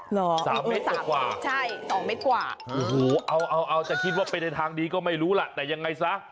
หรอ๓เมตรกว่าโอ้โหเอาจะคิดว่าเป็นทางดีก็ไม่รู้ล่ะแต่ยังไงซะ